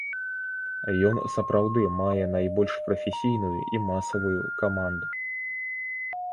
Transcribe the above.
Ён сапраўды мае найбольш прафесійную і масавую каманду.